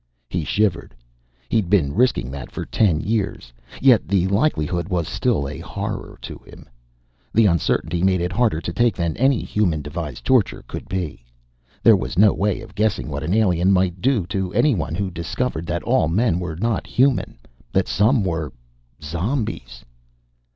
He shivered. He'd been risking that for ten years, yet the likelihood was still a horror to him. The uncertainty made it harder to take than any human devised torture could be. There was no way of guessing what an alien might do to anyone who discovered that all men were not human that some were ... zombies.